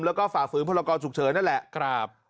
แล้วก็ฝากฝืนพลกรสุขเฉินนั่นแหละครับ